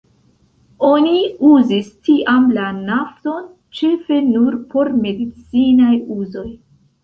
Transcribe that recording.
Oni uzis tiam la nafton ĉefe nur por medicinaj uzoj.